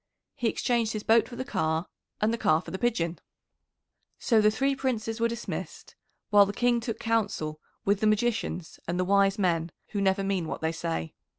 "He exchanged his boat for the car and the car for the pigeon." So the three Princes were dismissed, while the King took counsel with the magicians and the wise men who never mean what they say.